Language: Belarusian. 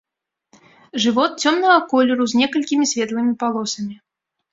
Жывот цёмнага колеру з некалькімі светлымі палосамі.